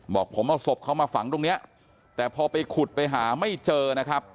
บอกผมเอาศพเขามาฝังตรงเนี้ยแต่พอไปขุดไปหาไม่เจอนะครับ